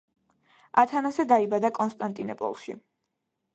ათანასე დაიბადა კონსტანტინეპოლში.